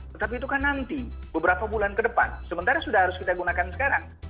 tetapi itu kan nanti beberapa bulan ke depan sementara sudah harus kita gunakan sekarang